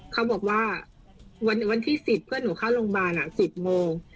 เขาบอกว่าวันที่๑๐เพื่อนหนูเข้าโรงพยาบาล๑๐โมง